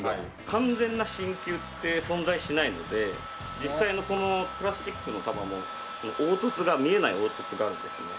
完全な真球って存在しないので実際のこのプラスチックの球も凹凸が見えない凹凸があるんですね。